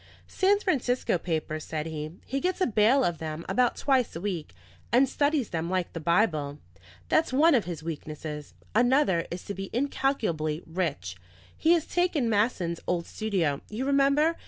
"San Francisco papers," said he. "He gets a bale of them about twice a week, and studies them like the Bible. That's one of his weaknesses; another is to be incalculably rich. He has taken Masson's old studio you remember?